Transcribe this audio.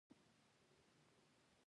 د هوټل هزاره شاګرد ته مې وويل.